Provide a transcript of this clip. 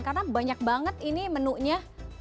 karena banyak banget ini menunya